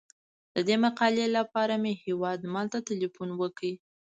د دې مقالې لپاره مې هیوادمل ته تیلفون وکړ.